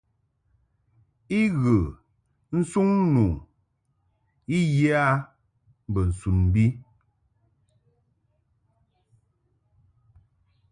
I ghə nsuŋ nu I yə a mbo sun bi.